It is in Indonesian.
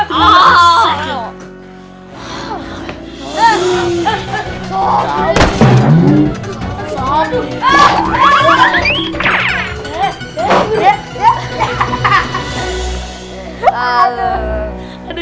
aduh nyala nyala wujud